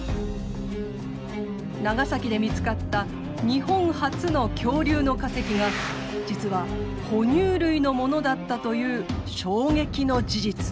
長崎で見つかった日本初の恐竜の化石が実は哺乳類のものだったという衝撃の事実。